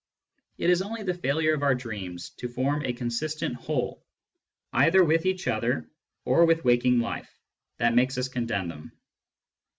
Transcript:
It is only the failure of our dreams to form a consistent whole either with each other or with waking life that makes us condemn them.